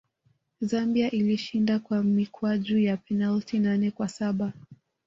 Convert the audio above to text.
zambia ilishinda kwa mikwaju ya penati nane kwa saba